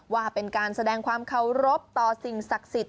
ว่าเป็นการแสดงความเคารพต่อสิ่งศักดิ์สิทธิ